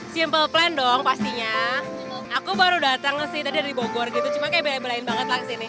simple plan dong pastinya aku baru datang sih tadi dari bogor gitu cuma kayak bela belain banget lah kesini